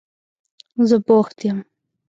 زه بوخت یم.